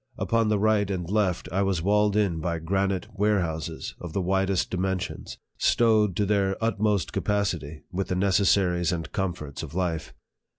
Upon the right and left, I was walled in by granite warehouses of the widest dimensions, stowed to their utmost capacity with the necessaries and comforts of life.